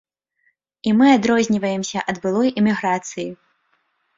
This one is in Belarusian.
І мы адрозніваемся ад былой эміграцыі.